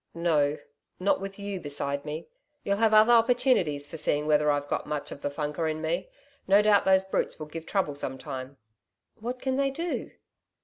'No not with YOU beside me. You'll have other opportunities for seeing whether I've got much of the funker in me. No doubt those brutes will give trouble some time.' 'What can they do?'